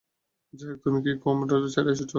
যাইহোক, তুমি কি কোয়েম্বাটুর ছেড়ে এসেছ?